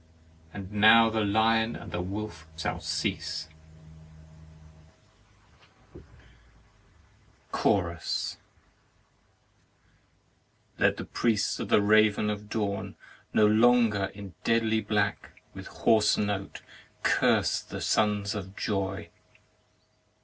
and now the lion and wolf shall cease." 46 HEAVEN AND HELL CHORUS Let the Priests of the Raven of Dawn, no longer in deadly black, with hoarse note curse the Sons of Joy.